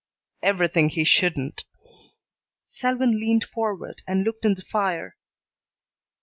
"Everything he shouldn't." Selwyn leaned forward and looked in the fire.